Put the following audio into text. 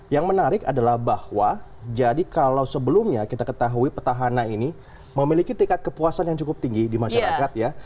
yang menarik adalah bahwa jadi kalau sebelumnya kita ketahui petahana ini memiliki tingkat kepuasan yang cukup tinggi di masyarakat ya